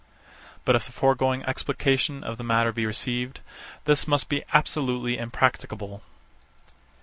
But if the foregoing explication of the matter be received, this must be absolutely impracticable.